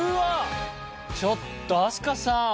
ちょっと飛鳥さん！